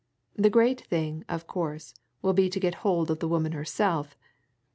The great thing, of course, will be to get hold of the woman herself.